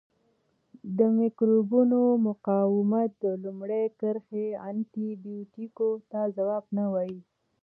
د مکروبونو مقاومت د لومړۍ کرښې انټي بیوټیکو ته ځواب نه وایي.